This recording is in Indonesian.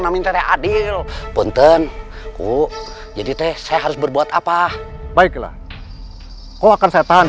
adil punten uh jadi teh saya harus berbuat apa baiklah kau akan saya tahan